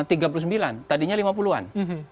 tiga puluh sembilan tadinya lima puluh an